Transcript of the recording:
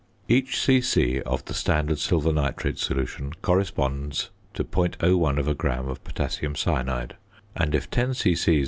Each c.c. of the standard silver nitrate solution corresponds to .01 gram of potassium cyanide; and if 10 c.c.